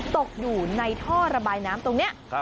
ตกอยู่ในท่อระบายน้ำตรงนี้